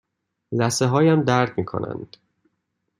لثه هایم درد می کنند.